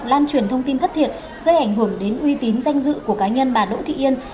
lan truyền thông tin thất thiệt gây ảnh hưởng đến uy tín danh dự của cá nhân bà đỗ thị yên